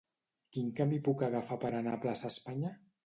Quin camí puc agafar per anar a Plaça Espanya?